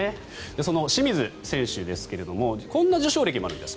その清水選手ですけれどもこんな受賞歴もあるんです。